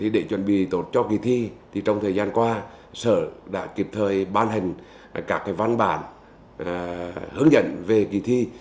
để chuẩn bị tốt cho ký thi trong thời gian qua sở đã kịp thời ban hình các văn bản hướng dẫn về ký thi